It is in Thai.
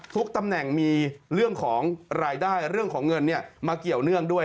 ตำแหน่งมีเรื่องของรายได้เรื่องของเงินมาเกี่ยวเนื่องด้วย